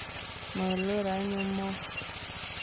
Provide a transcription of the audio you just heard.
Ma lera ye mor.